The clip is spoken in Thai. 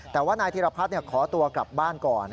แต่ว่านายธิรพัฒน์ขอตัวกลับบ้านก่อน